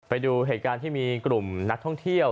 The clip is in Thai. ไปดูเหตุการณ์ที่มีกลุ่มนักท่องเที่ยว